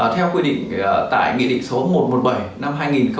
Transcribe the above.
theo quy định tại nghị định số một trăm một mươi bảy năm hai nghìn một mươi